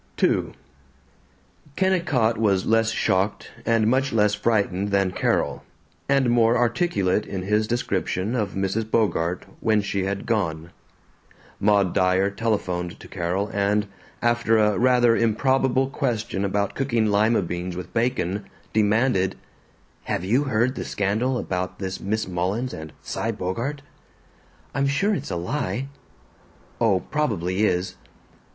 II Kennicott was less shocked and much less frightened than Carol, and more articulate in his description of Mrs. Bogart, when she had gone. Maud Dyer telephoned to Carol and, after a rather improbable question about cooking lima beans with bacon, demanded, "Have you heard the scandal about this Miss Mullins and Cy Bogart?" "I'm sure it's a lie." "Oh, probably is."